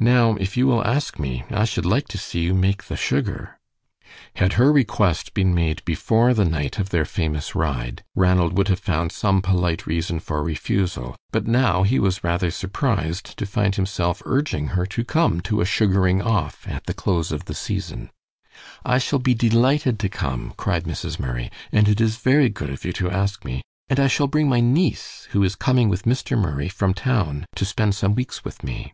Now, if you will ask me, I should like to see you make the sugar." Had her request been made before the night of their famous ride, Ranald would have found some polite reason for refusal, but now he was rather surprised to find himself urging her to come to a sugaring off at the close of the season. "I shall be delighted to come," cried Mrs. Murray, "and it is very good of you to ask me, and I shall bring my niece, who is coming with Mr. Murray from town to spend some weeks with me."